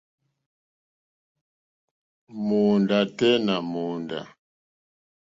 Mòóndá tɛ́ nà mòóndá.